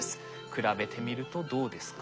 比べてみるとどうですか？